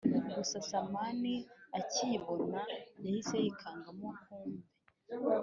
gusa samani akiyibona yahise yikangamo kumbe